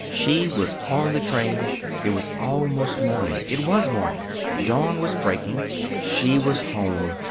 She was on the train. It was almost morning. It was morning. Dawn was breaking. She was home!